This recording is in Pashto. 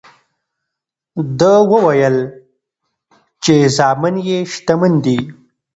ده وویل چې زامن یې شتمن دي.